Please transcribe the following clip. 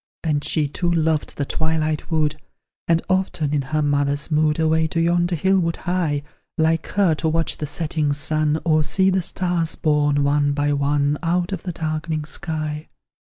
And she too loved the twilight wood And often, in her mother's mood, Away to yonder hill would hie, Like her, to watch the setting sun, Or see the stars born, one by one, Out of the darkening sky.